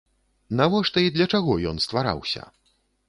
Навошта і для чаго ён ствараўся?